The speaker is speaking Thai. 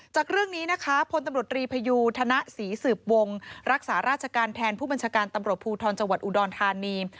จากเรื่องนี้นะคะพลตำรวจรีพยูธนศรีสืบวงรักษาราชการแทนผู้บัญชาการตำรวจภูทรจังหวัดอุดรธานี